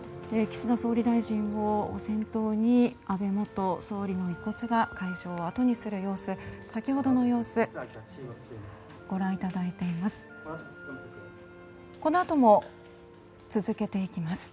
岸田総理大臣を先頭に安倍元総理の遺骨が会場を後にする様子先ほどの様子ご覧いただいています。